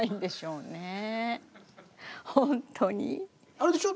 あれでしょ？